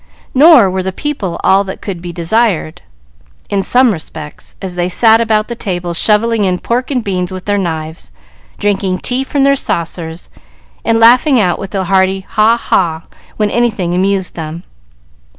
Nor were the people all that could be desired, in some respects, as they sat about the table shovelling in pork and beans with their knives, drinking tea from their saucers, and laughing out with a hearty "Haw, haw," when anything amused them.